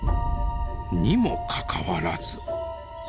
にもかかわらず。